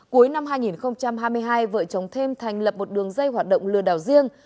cuối năm hai nghìn hai mươi hai vợ chồng thêm thành lập một đường dây hoạt động lừa đảo riêng